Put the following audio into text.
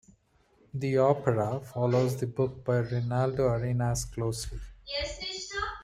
The opera follows the book by Reinaldo Arenas closely.